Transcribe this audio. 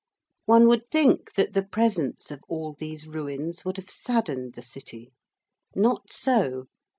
One would think that the presence of all these ruins would have saddened the City. Not so.